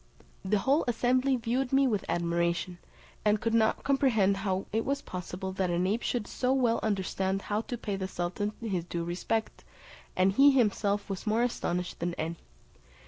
The whole assembly viewed me with admiration, and could not comprehend how it was possible that an ape should so well understand how to pay the sultan his due respect; and he himself was more astonished than any.